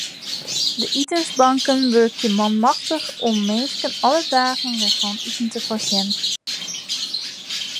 De itensbanken wurkje manmachtich om minsken alle dagen wer fan iten te foarsjen.